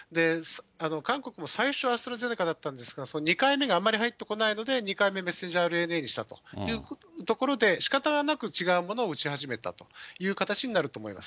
韓国も最初はアストラゼネカだったんですが、２回目があんまり入ってこないので、２回目、ｍＲＮＡにしたというところで、しかたがなく違うものを打ち始めたという形になると思います。